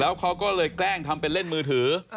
เขาก็เลยแกล้งทำเป็นเล่นมือถือ